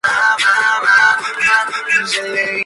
Fue enterrada en su fundación de Saint-Nicolas-de Poitiers.